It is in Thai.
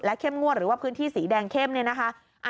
เข้มงวดหรือว่าพื้นที่สีแดงเข้มเนี่ยนะคะ